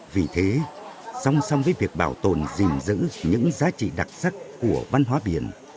vì thế song song với việc bảo tồn gìn giữ những giá trị đặc sắc của văn hóa biển